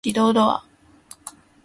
自動ドア